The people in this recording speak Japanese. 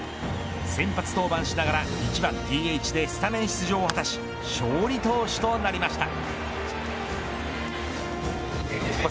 先発登板しながら１番ＤＨでスタメン出場を果たし勝利投手となりました。